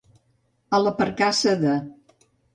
A la percaça de.